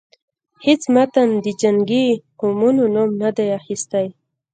هیڅ متن د جنګی قومونو نوم نه دی اخیستی.